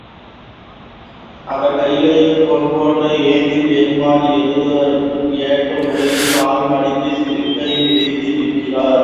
அவர் கையிலே பாம்பொன்று ஏந்தி, பெருமாள் எழுந்தருளுவதற்கு ஏற்ற முறையில் கால் மடித்து சிறகை விரித்து நிற்கிறார்.